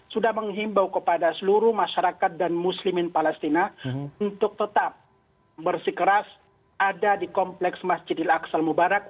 sudah menghimbau kepada seluruh masyarakat dan muslimin palestina untuk tetap bersikeras ada di kompleks masjid al aqsal mubarak